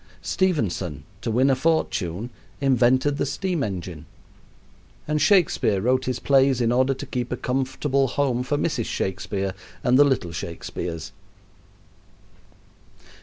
Stephenson, to win a fortune, invented the steam engine; and Shakespeare wrote his plays in order to keep a comfortable home for Mrs. Shakespeare and the little Shakespeares.